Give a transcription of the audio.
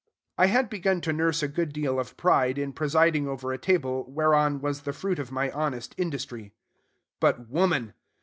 I had begun to nurse a good deal of pride in presiding over a table whereon was the fruit of my honest industry. But woman!